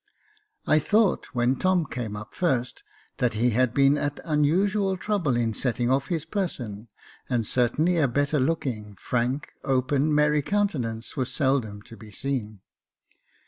I thought when Tom came up first, that he had been at unusual trouble in setting off his person, and certainly a better looking, frank, open, merry countenance was seldom to be seen.